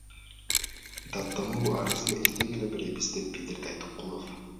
Даттануу арызын эртең эле беребиз, – деп билдирди Айткулов.